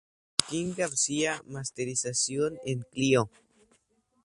Joaquín García: Masterización en Clio.